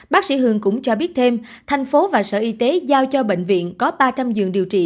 bác sĩ hương cũng cho biết thêm thành phố và sở y tế giao cho bệnh viện có ba trăm linh giường điều trị